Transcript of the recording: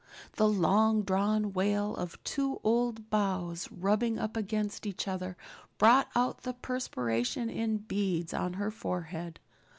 The long drawn wail of two old boughs rubbing against each other brought out the perspiration in beads on her forehead.